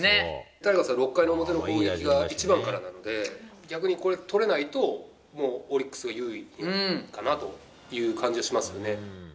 タイガースは６回表の攻撃が１番からなので、逆にこれ、取れないと、もうオリックスが優位かなという感じがしますね。